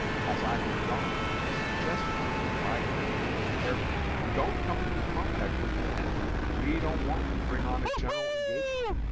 As I moved on, it was suggested to me by him to move carefully. 'Don't come into contact with the enemy; we don't want to bring on a general engagement.'